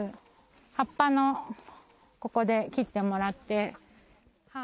葉っぱのここで切ってもらって。